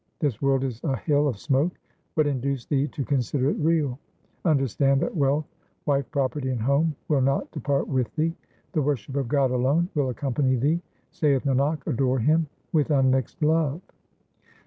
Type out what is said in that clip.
This world is a hill of smoke ; What induced thee to consider it real ? Understand that wealth, wife, property, and home Will not depart with thee ; The worship of God alone will accompany thee. Saith Nanak, adore Him with unmixed love.